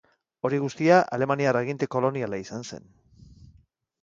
Hori guztia, alemaniar aginte koloniala izan zen.